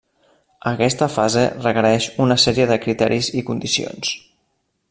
Aquesta fase requereix una sèrie de criteris i condicions.